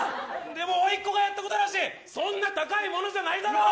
でもおいっ子がやったことだしそんな高いものじゃないだろ。